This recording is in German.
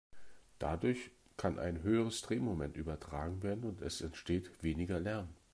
Dadurch kann ein höheres Drehmoment übertragen werden und es entsteht weniger Lärm.